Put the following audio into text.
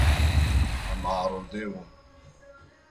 Em arode bûn.